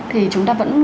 thì chúng ta vẫn